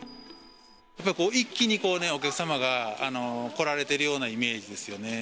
一気にお客様が来られてるようなイメージですよね。